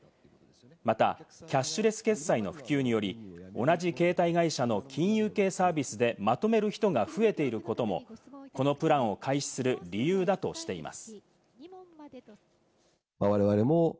またキャッシュレス決済の普及により、同じ携帯会社の金融系サービスでまとめる人が増えていることもこのプランを開始する理由だとしています。